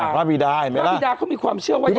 พระพีดาเขามีความเชื่อว่าอย่างไร